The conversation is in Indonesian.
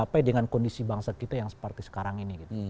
sampai dengan kondisi bangsa kita yang seperti sekarang ini